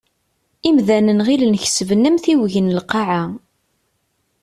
Imdanen ɣillen kesben amtiweg n Lqaεa.